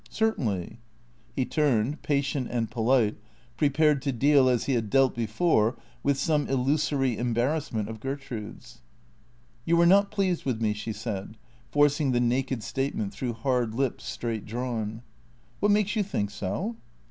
" Certainly." He turned, patient and polite, prepared to deal, as he had dealt before, with some illusory embarrassment of Gertrude's. " You are not pleased with me," she said, forcing the naked statement through hard lips straight drawn. " What makes you think so